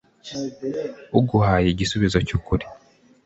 uguhaye igisubizo cy'ukuri